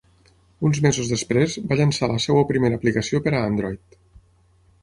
Uns mesos després, va llançar la seva primera aplicació per a Android.